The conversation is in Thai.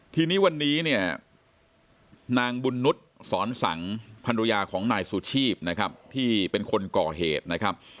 ทีนี้วันนี้เนี่ยนางบุญนุษย์สอนสังภรรยาของนายสุชีพนะครับที่เป็นคนก่อเหตุนะครับ